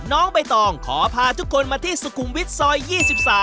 น้องใบตองขอพาทุกคนมาที่สุขุมวิทย์ซอย๒๓